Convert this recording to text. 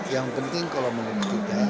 yang penting kalau menurut kita